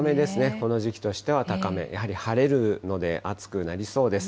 この時期としては高め、やはり晴れるので暑くなりそうです。